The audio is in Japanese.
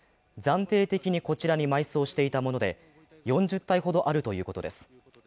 暫定的にこちらに埋葬していたもので４０体ほどあるということです。